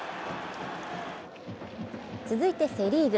続いてセ・リーグ。